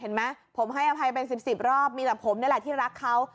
เห็นไหมผมให้อภัยเป็น๑๐รอบมีแต่ผมนี่แหละที่รักเขา